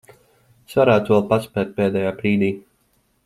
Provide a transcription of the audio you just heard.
Es varētu vēl paspēt pēdējā brīdī.